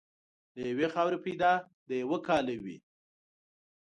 له یوې خاورې پیدا د یوه کاله وې.